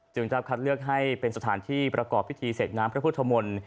จะคัดเลือกให้เป็นสถานที่ประกอบพิธีเสกน้ำพระพุทธมนตร์